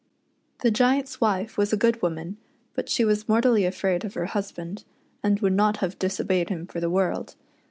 ' The Giant's wife was a good woman, but she was mortally afraid of her husband, and would not have disobeyed him for the world.